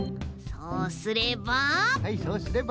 そうすれば？